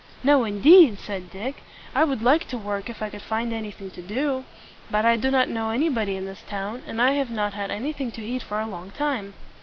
"No, indeed!" said Dick. "I would like to work, if I could find anything to do. But I do not know anybody in this town, and I have not had anything to eat for a long time."